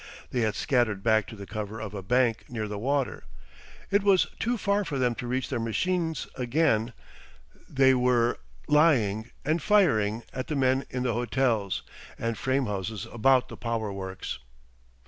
They had scattered back to the cover of a bank near the water it was too far for them to reach their machines again; they were lying and firing at the men in the hotels and frame houses about the power works.